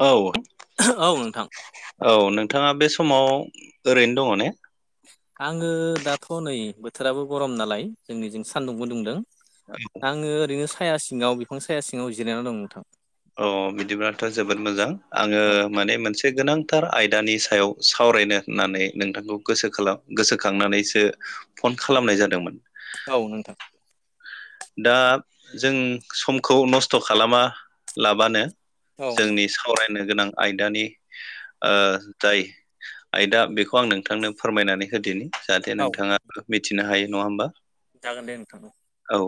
औ। औ नोंथां। औ नोंथाङा बे समाव ओरैनो दङ ने? आङो दाथ' नै बोथोराबो गरम नालाय जोंनिजों सान्दुंबो दुंदों। [unintelligible] आङो ओरैनो साया सिङाव बिफां साया सिङाव जिरायना दं नोंथां। अ बिदिब्लाथ' जोबोद मोजां आङो औ माने मोनसे गोनांथार आयदानि सायाव सावरायनो ढ होननानै नोंथांखौ गोसोखालाम गोसोखांनानैसो फन खालामनाय जादोंमोन। औ नोंथां। दा जों समखौ नस्थ' खालामा लाबानो औ जोंनि नोंथां सावरायनो गोनां आयदानि ओ जाय आयदा बेखौ आं नोंथांनो फोरमायनानै होदिनि। जाहाथे औ नोंथाङा [unintelligible] मिथिनो हायो नङा होमबा। जागोन दे नोंथां [unintelligible] औ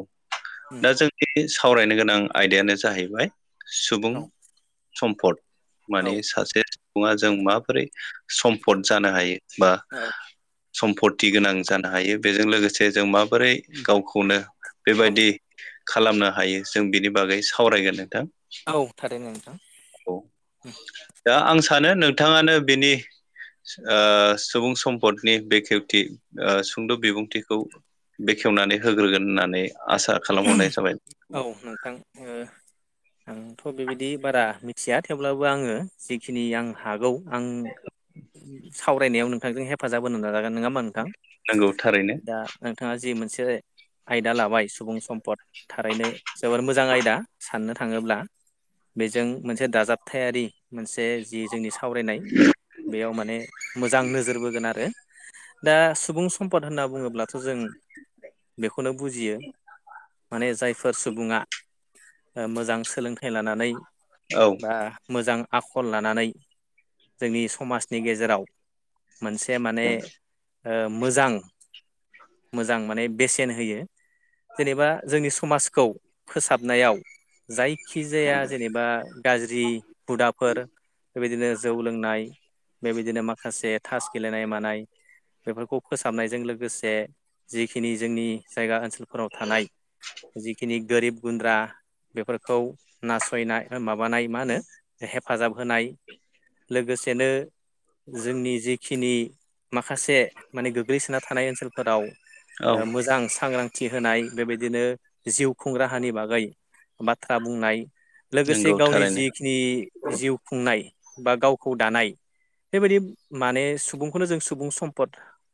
दा जोंनि सावरायनो गोनां आयदायानो जाहैबाय सुबुं सम्फद औ माने सासे सुबुङा जों माबोरै सम्पद जानो हायो बा औ सम्पति गोनां जानो हायो बेजों लोगोसे जों माबोरै गावखौनो औ बेबायदि खालामनो हायो जों बिनि बागै सावरायगोन नोंथां। औ [unintelligible] नोंथां। औ दा आं सानो नोंथाङानो बेनि ओ सुबुं सम पडनि बेखेवथि ओ सुंद' बिबुंथिखौ बेखेवनानै होग्रोगोन होनना नै आसा खालामहरनाय जाबाय। औ नोंथां ओ आंथ' बेबायदि बारा मिथिया थेवब्लाबो आङो जिखिनि आं हागौ। आं सावरायनायाव नोंथांजों हेफाजाब होनो नाजागोन नोङा होमबा नोंथां नंगौ थारैनो दा नोंथाङा जि मोनसे आयदा लाबाय सुबुं सम्पद थारैनो जोबोर मोजां आयदा साननो थाङोब्ला। बेजों मोनसे दाजाबथायारि मोनसे जि जोंनि सावरायनाय बेयाव माने मोजां नोजोर बोगोन आरो। दा सुबुं सम्पद होनना बुङोब्लाथ' जों बेखौनो बुजियो। माने जायफोर सुबुङा ओ मोजां सोलोंथाइ लानानै औ बा मोजां आखल लानानै जोंनि समाजनि गेजेराव मोनसे माने ओ मोजां मोजां माने बेसेन होयो जेनेबा जोंनि समाजखौ फोसाबनायाव जायखिजाया जेनेबा गाज्रि हुदाफोर बेबायदिनो जौ लोंनाय बेबायदिनो माखासे थास गेलेनाय मानाय बेफोरखौ फोसाबनायजों लोगोसे जिखिनि जोंनि जायगा ओनसोलफोराव थानाय जिखिनि गोरिब गुन्द्रा बेफोरखौ नासयनाय माबानाय मा होनो हेफाजाब होनाय लोगोसेनो जोंनि जिखिनि माखासे माने गोग्लैसोना थानाय ओनसोलफोराव औ ओ मोजां सांग्रांथि होनाय बेबायदिनो जिउ खुंग्राहानि बागै बाथ्रा बुंनाय लोगोसे नंगौ गावनि थारैनो जि [unintelligible] जिउ खुंनाय बा गावखौ दानाय बेबायदि माने सुबुंखौनो जों सुबुं सम्पद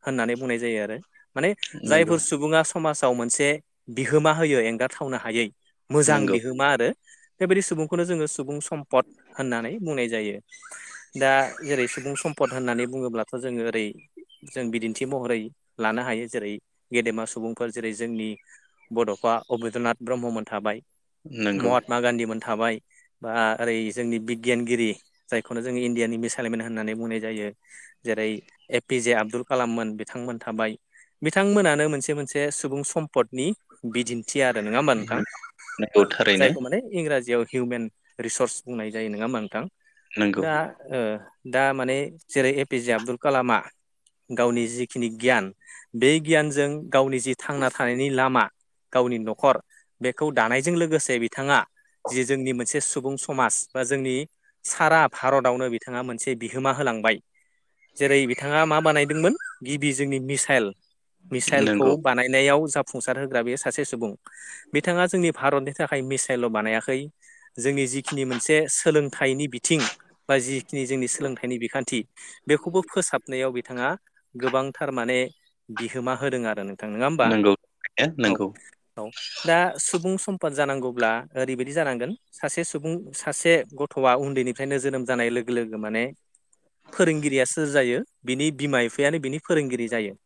होननानै बुंनाय जायो आरो। माने नंगौ जायफोर सुबुङा समाजाव मोनसे बिहोमा होयो एंगाराथावनो हायै मोजां नंगौ बिहोमा आरो बेबायदि सुबुंखौनो जोङो सुबुं सम्पद होननानै बुंनाय जायो। दा जेरै सुबुं सम्पद होननानै बुङोब्लाथ' जोङो ओरै जों बिदिन्थि महरै लानो हायो जेरै गेदेमा सुबुंफोर जेरै जोंनि बड'फा अबिन्द्रनाथ ब्रह्ममोन थाबाय नंगौ महात्मा गान्धीमोन थाबाय। बा ओरै जोंनि बिगियानगिरि जायखौनो जोङो इण्डियानि मसलम होननानै बुंनाय जायो। जेरै एपिि जे आब्दुल कालाममोन बिथांमोन थाबाय बिथांमोनानो मोनसे मोनसे सुबुं सम्पदनि बिदिन्थि [unintelligible] आरो नङा होमबा नोंथां नंगौ थारैनो जायखौ माने इंराजियाव हिउमेन रिसर्स बुंनाय जायो नङा मा नोंथां नंगौ दा। दा माने जेरै ए पि जे आबदुल कालामा गावनि जिखिनि गियान बे गियानजों गावनि जि थांना थानायनि लामा गावनि न'खर बेखौ दानायजों लोगोसे बिथाङा जि जोंनि मोनसे सुबुं समाज बा जोंनि सारा भारतावनो बिथाङा मोनसे बिहोमा होलांबाय। जेरै बिथाङा मा बानायदोंमोन गिबि जोंनि मिसाइल मिसाइलखौ नंगौ बानायनायाव जाफुंसार होग्रा बे सासे सुबुं। बिथाङा जोंनि भारतनि थाखाय मिसाइलल' बानायाखै। जोंनि जिखिनि मोनसे सोलोंथाइनि बिथिं बा जिखिनि जोंनि सोलोंथाइनि बिखान्थि बेखौबो फोसाबनायाव बिथाङा गोबांथार माने बिहोमा होदों आरो नों थां नोङा होमबा? नंगौ थारैनो औ औ दा सुबुं सम्पद जानांगौब्ला ओरैबायदि जानांगोन सासे सुबुं सासे गथ'आ उन्दैनिफ्रायनो जोनोम जानाय लोगो लोगो माने फोरोंगिरिया सोर जायो बिनि बिमा बिफायानो बिनि फोरोंगिरि जायो।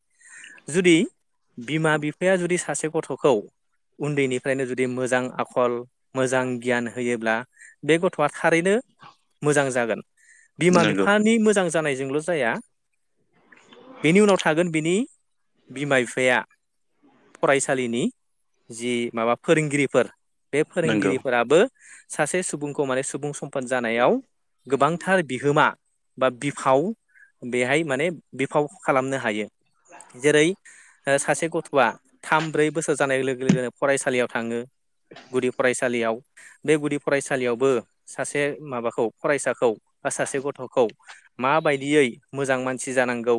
जुदि बिमा बिफाया जुदि सासे गथ'खौ उन्दैनिफ्रायनो जुदि मोजां आखल। मोजां गियान होयोब्ला बे गथ'आ थारैनो मोजां जागोन। बिमा नंगौ बिफानि मोजां जानायजोंल' जाया बेनि उनाव थागोन बिनि बिमा बिफाया। फरायसालिनि जि माबा फोरोंगिरिफोर बे नंगौ फोरोंगिरिफोराबो सासे सुबुंखौ माने सुबुं सम्पद जानायाव गोबांथार बिहोमा बा बिफाव बेहाय माने बिफाव खालामनो हायो जेरै सासे गथ'आ थाम ब्रै बोसोर जानाय लोगो लोगोनो फरायसालियाव थाङो गुदि फरायसालियाव। बे गुदि फरायसालियावबो सासे माबाखौ फरायसाखौ बा सासे गथ'खौ माबायदियै मोजां मानसि जानांगौ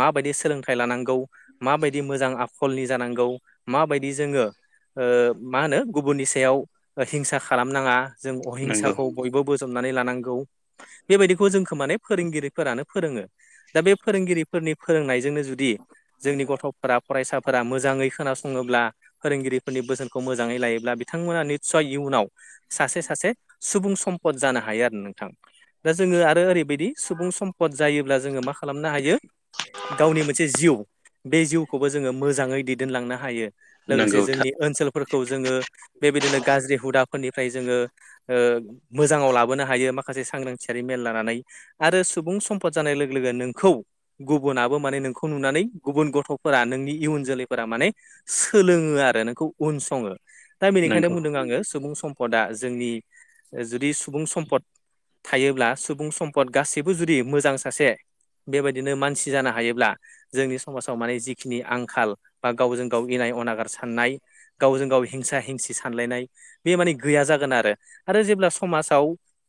माबायदि सोलोंथाइ लानांगौ। माबायदि मोजां आखलनि जानांगौ। [unintelligible] माबायदि जोङो ओ मा होनो गुबुननि सायाव हिंसा खालामनाङा जों नंगौ अहिंसाखौ बयबो बोजबनानै लानांगौ बेबायदिखौ जोंखो माने फोरोंगिरिफोरानो फोरोङो दा बे फोरोंगिरिफोरनि फोरोंनायजोंनो जुदि जोंनि गथ'फोरा फरायसाफोरा मोजाङै। खोनासङोब्ला फोरोंगिरिफोरनि बोसोनखौ मोजाङै लायोब्ला बिथांमोना निस्सय इयुनाव सासे सासे सुबुं सम्पद जानो हायो आरो नोंथां। दा जोङो आरो ओरैबायदि सुबुं सम्पद जायोब्ला जोङो मा खालामनो हायो। गावनि मोनसे जिउ बे जिउखौबो जोङो मोजाङै दैदेनलांनो हायो नंगौ लोगोसे था जोंनि ओनसोल फोरखौ जोङो बेबायदिनो गाज्रि हुदाफोरनिफ्राय जोङो ओ मोजाङाव लाबोनो हायो मा खासे सांग्रांथियारि मेल लानानै आरो सुबुं सम्पद जानाय लोगो लोगो नोंखौ गुबुनाबो माने नोंखौ नुनानै गुबुन गथ'फोरा नोंनि इयुन जोलै माने सोलोङो आरो नोंखौ उन सङो दा बेनिखायनो नंगौ बुंदों आङो सुबुं सम सम्पदा जोंनि जुदि सुबुं सम्पद थायोब्ला सुबुं सम्पद गासैबो जुदि मोजां सासे बेबायदिनो मानसि जानो हायोब्ला जोंनि समाजाव माने जिखिनि आंखाल बा गावजों गाव इनाय अनागार साननाय गावजों गाव हिंसा हिंसि सानलायनाय। बे माने गैया जागोन आरो आरो जेब्ला समाजाव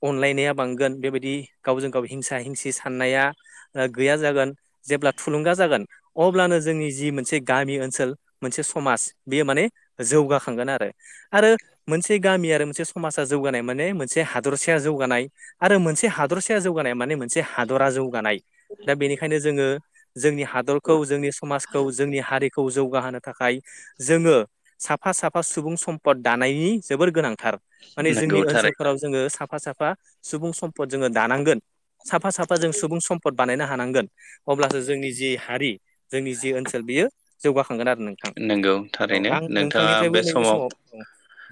अनलायनाया बांगोन बेबायदि गावजों गाव हिंसा हिंसि साननाया ओ गैया जागोन जेब्ला थुलुंगा जागोन अब्लानो जोंनि जि मोनसे गामि ओनसोल मोनसे समाज बेयो माने जौगाखांगोन आरो। आरो मोनसे गामि आरो मोनसे समाजा जौगानाय माने मोनसे हादरसाया जौगानाय। आरो मोनसे हादरसाया जौगानाया माने मोनसे हादरा जौगानाय दा बेनिखायनो जोङो जोंनि हादरखौ जोंनि समाजखौ जोंनि हारिखौ जौगाहोनो थाखाय जोङो साफ साफा साफा सुबुं सम्पद दानायनि जोबोर गोनांथार माने जोंनि नंगौ थारैनो ओनसोलफोराव जोङो साफा साफा सुबुं सम्पद जोङो दानांगोन साफा साफा जों सुबुं सम भट बानायनो हानांगोन अब्लासो जोंनि जि हारि जोंनि जि ओनसोल बियो जौगाखांगोन आरो नोंथां नंगौ औ थारैनो आं नोंथाङा नोंथांनिफ्रायबो बे नैबे समाव औ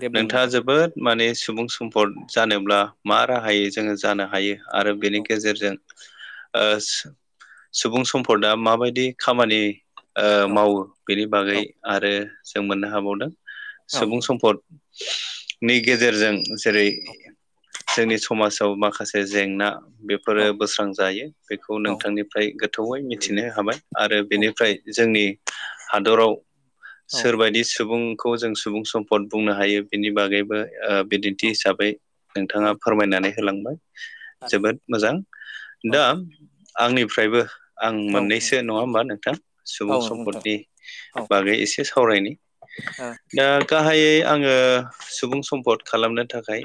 दे बुं नोंथाङा नोंथां जोबोद माने सुबुं सम्फद जानोब्ला मा राहायै जोङो जानो हायो आरो बेनि औ गेजेरजों ओ सुबुं सम्पदआ माबायदि खामानि ओ औ मावो बेनि बागै औ आरो जों मोननो हाबावदों औ सुबुं सम्पदनि गेजेरजों जेरै जोंनि समाजाव माखासे जेंना बे फोरो बोस्रांजायो बेखौ औ नोंथांनिफ्राय गोथौयै मिथिनो हाबाय। आरो औ औ बेनिफ्राय जोंनि हादराव औ सोरबायदि सुबुं खौ जों सुबुं सम्पद बुंनो हायो बेनि बागैबो ओ बिदिन्थि औ हिसाबै नोंथाङा औ फोरमायनानै होलांबाय आरो जोबोद मोजां औ दा आंनिफ्रायबो आं औ मोननैसो नङा होमबा नोंथां औ सुबुं नंगौ नोंथां सम्पदनि औ बागै एसे सावरायनि। औ दा गाहायै आङो सुबुं सम्पद खालामनो थाखाय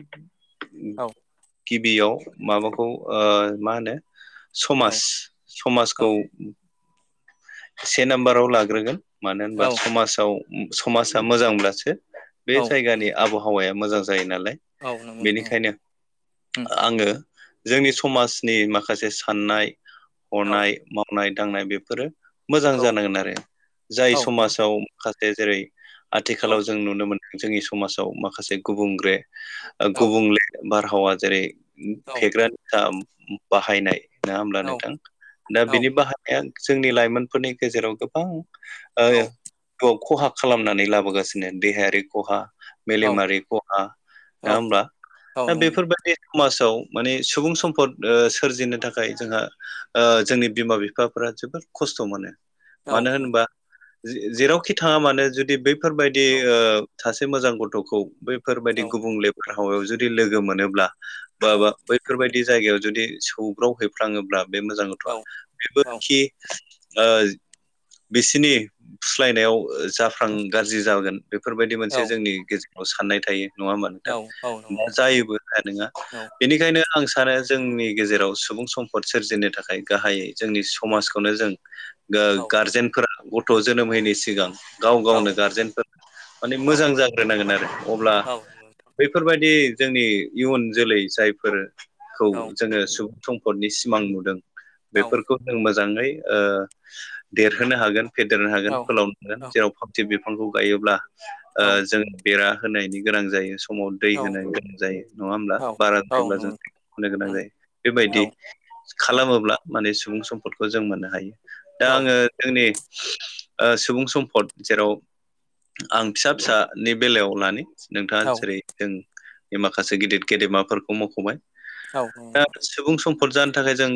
गिबियाव माबाखौ ओ मा होनो औ समाज समाजखौ औ से नाम्बाराव लाग्रोगोन मानो होनबा औ समाजाव समाजा मोजांब्लासो बे औ जायगानि नोंथां आबहावाया मोजां जायो नालाय। औ नंगौ नोंथां बेनिखायनो आङो जोंनि समाजनि माखासे साननाय औ हनाय मावनाय दांनाय बेफोरो मोजां औ जानांगोन आरो औ जाय नोंथां समाजाव माखासे जेरै आथिखालाव जों नुनो मोनदों जोंनि समाजाव माखासे गुबुंल्रे ओ औ गुबुंले बारहावा जेरै फेग्रानिखा बाहायनाय नङा होमब्ला औ नंगौ औ नंगौ औ नंगौ औ नंगौ औ नोंथां दा बिनि बाहानाया जोंनि लाइमोनफोरनि गेजेराव गोबां जिउ खहा खालामनानै लाबोगासिनो देहायारि खहा मेलेमारि खहा नङा होमब्ला दा बेफोरबायदि समाजाव माने सुबुं सम्फद सोरजिनो थाखाय जोंहा ओ जोंनि बिमा बिफाफोरा जोबोद खस्थ' मोनो मानो होनबा जेरावखि थाङा मानो जुदि बे बेफोरबायदि ओ सासे मोजां गथ'खौ बैफोरबायदि गुबुंले बारहावायाव जुदि लोगो मोनोब्ला बा बा बैफोरबाय दि जायगायाव जुदि सौग्राव हैफ्लाङोब्ला बे मोजां गथ'वा बेबोखि ओ बिसिनि फुस्लायनायाव जाफ्लां गाज्रि जागोन। बेफोरबायदि मोनसे जोंनि गेजेराव साननाय थायो नङा होमबा नोंथां दा जायोबो जाया नङा। बेनिखायनो आं सानो जोंनि गेजेराव सुबुं सम्पद सोरजिनो थाखाय गाहायै जोंनि समाज खौनो जों गारजेनफोरा गथ' जोनोम होयिनि सिगां गाव गावनो गार्जेनफोर माने मोजां जाग्रोनांगोन आरो अब्ला बैफोरबायदि जोंनि इयुन जोलै जायफोर खौ जोङो सुबुं सम्पदनि सिमां नुदों बेफोरखौ जों मो मोजाङै ओ देरहोनो हागोन फेदेरनो हागोन फोलाव जेराव फावथि बिफांखौ गायोब्ला जोङो बेरा होनायनि गोनां जायो समाव दै होनो गोनां जायो नङा होमब्ला बारा जायोब्ला जों दै होनो गोनां जायो बेबायदि खालामोब्ला माने सुबुं सम्पदखौ जों मोननो हायो दा आङो जोंनि सुबुं सम्फद जेराव आं फिसा फिसानि बेलायाव लानो नोंथाङा जेरै जों माखासे गिदिर गेदेमाफोरखौ मख'बाय औ दा सुबुं सम्फद जानो थाखाय जों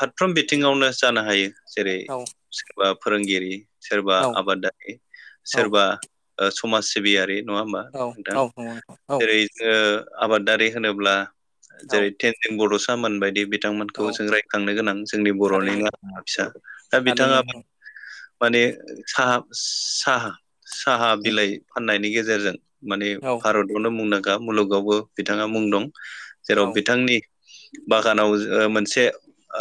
फारफ्रोम बिथिङावनो जानो हायो। जेरै औ सोरबा फोरोंगिरि सोरबा औ आबादारि औ सोरबा ओ समाज सिबियारि नङा होमबा औ नोंथां औ नंगौ नोंथां जेरै जोंङो आबादारि होनोब्ला औ जेरै टेनदेन बड'सान मोन बायदि बिदि औ बिथांमोनखौ जों रायखांनो गोनां जोंनि थारैनो बर'निनो आगोमा फिसा दा थारैनो बिथाङा नोंथां माने साहा साहा साहा उम बिलाइ फाननायनि गेजेरजों माने औ भारतावनो मुंदां का मुलुगावबो बिथाङा मुं दं जेराव औ बिथांनि बागानाव ओ मोनसे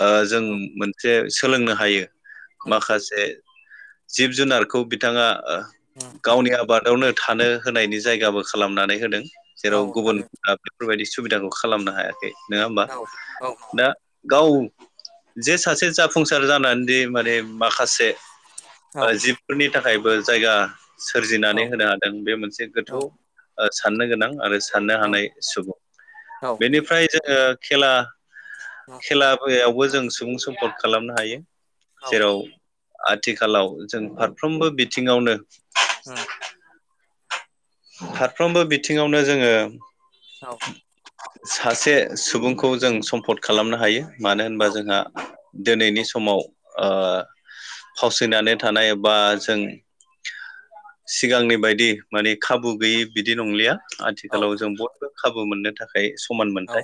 ओ जों औ मोनसे सोलोंनो हायो। उम माखासे जिब जुनारखौ बिथाङा उम गावनि आबादावनो थानो होनायनि जायगाबो खालामनानै होदों औ जेराव गुबुन थारै बेफोरबायदि सुबिदाखौ खालामनो हायाखै नङा होमबा औ औ दा गाव जे सासे जाफुंसार जानानैदि माने माखासे औ ओ जिफोरनि थाखायबो जायगा सोरजिनानै होनो हादों बे मोनसे औ गोथौ साननो गोनां आरो साननो औ हानाय सुबुं औ उम औ बेनिफ्राय जोंङो खेला खेलाायावबो जों सुबुं सम्पद खालामनो हायो औ जेराव आथिखालाव जों फारफ्रोमबो बिथिङावनो [unintelligible] फारफ्रोमबो बिथिङावनो जोङो औ सासे सुबुंखौ जों सम्पद खालामनो हायो। मानो होनबा जोंहा दिनैनि समाव फावसियनानै थानाय बा जों सिगांनि बायदि माने खाबु गैयि बिदि नंलिया आथिखालाव जों बयबो खाबु मोननो थाखाय समान मोनथाय।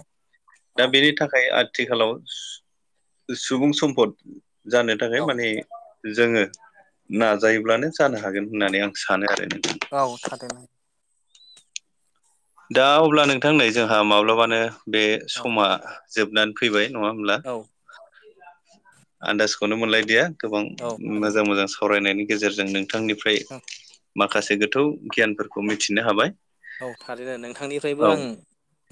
दा बेनि थाखाय आथिखालाव सुबुं सम्पद जानो थाखाय माने जोंङो नाजायोब्लानो जानो हागोन होननानै आं सानो नों औ थखरैनो दा अब्ला नोंथांनै जोंहा माब्लाबानो बे औ समा जोबनानै फैबाय नङा होमब्ला औ आन्दाजखौनो मोनलायदिया गोबां थारैनो मोजां मोजां सावरायनायनि गेजेरजों नोंथांनिफ्राय माखासे गोथौ गियानफोरखौ मिथिनो हाबाय। औ थारैनो नोंथांनिफ्रायबो औ आं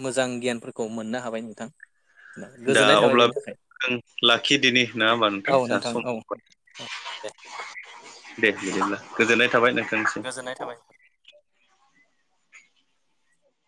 मोजां गियानफोरखौ मोननो हाबाय नोंथां। दा गोजोननाय थाबाय अब्ला बेनि बे थाखाय जों लाखि दिनि ना होमबा औ नोंथां ज सम औ औ दे दे बिदि होनब्ला गोजोननाय थाबाय नों गोजोननाय थाबाय।